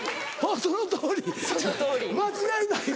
そのとおり間違いない。